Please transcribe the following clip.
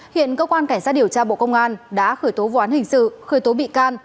hiện cơ quan cảnh sát điều tra bộ công an đã khởi tố vụ án hình sự khởi tố bị can